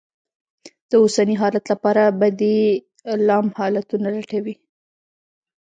د اوسني حالت لپاره بدي ل حالتونه لټوي.